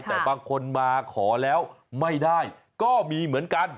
แต่บางคนมาขอแล้วไม่ได้ก็มีเหมือนกัน